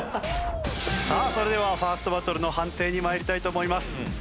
さあそれではファーストバトルの判定に参りたいと思います。